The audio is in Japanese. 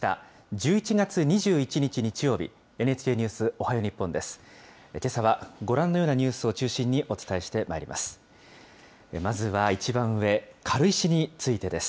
１１月２１日日曜日、ＮＨＫニュースおはよう日本です。